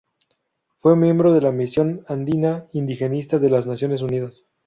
Fue miembro de la Misión Andina Indigenista de las Naciones Unidas.